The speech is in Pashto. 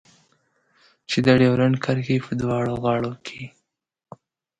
چې د ډيورنډ کرښې په دواړو غاړو کې.